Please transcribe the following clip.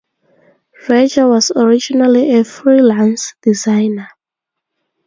Reger was originally a freelance designer.